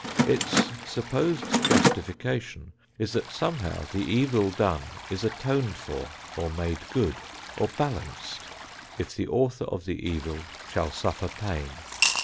Its supposed justification is that somehow the evil done is atoned for, or made good, or balanced if the author of the evil shall suffer pain.